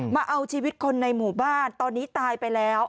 มาเอาชีวิตคนในหมู่บ้านตอนนี้ตายไปแล้ว